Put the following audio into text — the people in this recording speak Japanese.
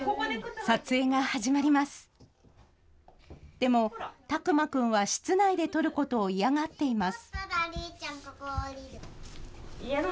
でも、巧眞くんは室内で撮ることを嫌がっています。